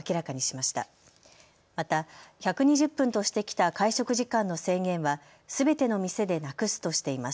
また１２０分としてきた会食時間の制限はすべての店でなくすとしています。